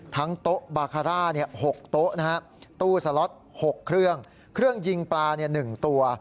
โต๊ะบาคาร่า๖โต๊ะตู้สล็อต๖เครื่องเครื่องยิงปลา๑ตัว